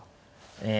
ええ。